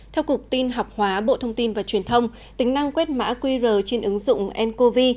theo cục tin học hóa bộ thông tin và truyền thông tính năng quét mã qr trên ứng dụng ncov